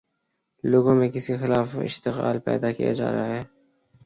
لوگوں میں کس کے خلاف اشتعال پیدا کیا جا رہا ہے؟